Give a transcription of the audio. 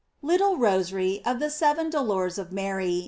773 LITTLE ROSARY. OF THE SEVEN DOLORS OP HART.